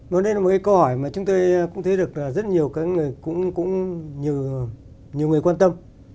nói đến một cái câu hỏi mà chúng tôi cũng thấy được là rất nhiều người cũng nhiều người quan tâm